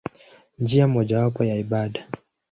Njia mojawapo ya ibada.